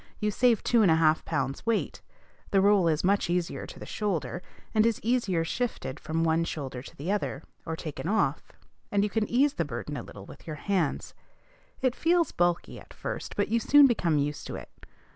You save the two and a half pounds weight; the roll is very much easier to the shoulder, and is easier shifted from one shoulder to the other, or taken off; and you can ease the burden a little with your hands. It feels bulky at first, but you soon become used to it.